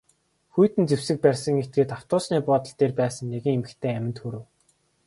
Хүйтэн зэвсэг барьсан этгээд автобусны буудал дээр байсан нэгэн эмэгтэйн аминд хүрэв.